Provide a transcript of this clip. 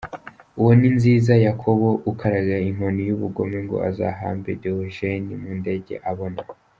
Uwo ni Nziza Yakobo ukaraga inkoni y’ubugome ngo azahamba Deogeni Mudenge abona!